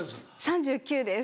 ３９です。